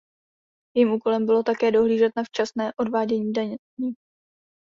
Jejím úkolem bylo také dohlížet na včasné odvádění daní.